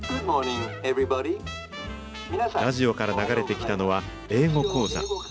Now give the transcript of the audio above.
ラジオから流れてきたのは英語講座。